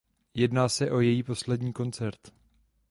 Jedná se o její poslední koncert.